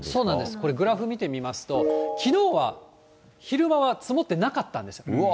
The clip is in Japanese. これ、グラフ見てみますと、きのうは昼間は積もってなかったんです。